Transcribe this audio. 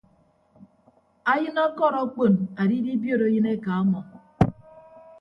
Ayịn ọkọd akpon adidibiot ayịn eka ọmọ.